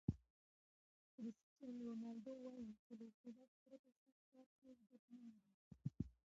کرسټیانو رونالډو وایي چې له استعداد پرته سخت کار هیڅ ګټه نلري.